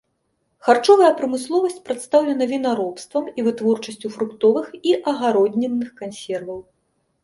Харчовая прамысловасць прадстаўлена вінаробствам і вытворчасцю фруктовых і агароднінных кансерваў.